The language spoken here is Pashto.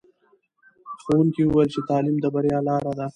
ښوونکي وویل چې تعلیم د بریا لاره ده.